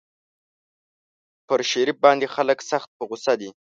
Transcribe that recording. پر شريف باندې خلک سخت په غوسه دي.